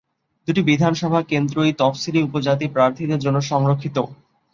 দুটি বিধানসভা কেন্দ্রই তফসিলি উপজাতি প্রার্থীদের জন্য সংরক্ষিত।